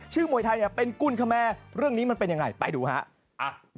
มวยไทยเป็นกุลคแมร์เรื่องนี้มันเป็นยังไงไปดูฮะ